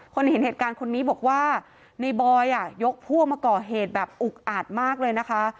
เห็นเหตุการณ์คนนี้บอกว่าในบอยยกพวกมาก่อเหตุแบบอุกอาจมากเลยนะคะ